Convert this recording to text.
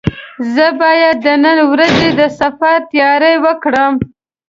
زه باید د نن ورځې د سفر تیاري وکړم.